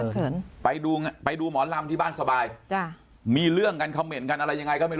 คือไปดูไปดูหมอนลำที่บ้านสบายจ๋า